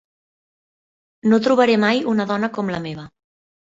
No trobaré mai una dona com la meva.